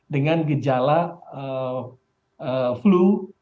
dengan gejala flu